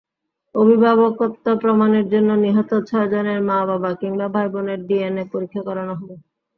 অভিভাবকত্ব প্রমাণের জন্য নিহত ছয়জনের মা-বাবা কিংবা ভাইবোনের ডিএনএ পরীক্ষা করানো হবে।